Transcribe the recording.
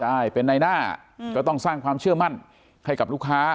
ใช่เป็นในหน้าก็ต้องสร้างความเชื่อมั่นให้กับลูกค้า